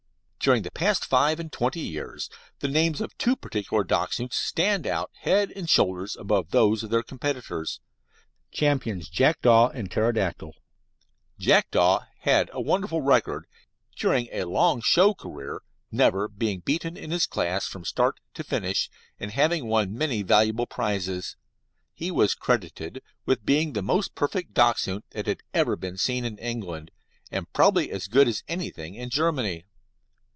During the past five and twenty years the names of two particular Dachshunds stand out head and shoulders above those of their competitors: Champions Jackdaw and Pterodactyl. Jackdaw had a wonderful record, having, during a long show career, never been beaten in his class from start to finish, and having won many valuable prizes. He was credited with being the most perfect Dachshund that had ever been seen in England, and probably as good as anything in Germany.